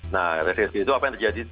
nah resesi itu apa yang terjadi